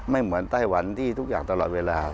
เหมือนไต้หวันที่ทุกอย่างตลอดเวลา